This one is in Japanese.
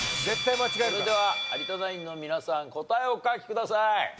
それでは有田ナインの皆さん答えお書きください。